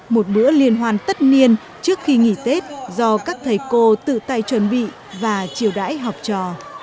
một bữa liên hoan tất niên trước khi nghỉ tết do các thầy cô tự tay chuẩn bị và triều đãi học trò